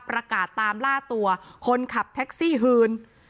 ประกาศตามล่าตัวคนขับแท็กซี่ฮืน